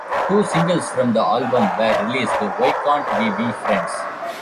Two singles from the album were released: Why Can't We Be Friends?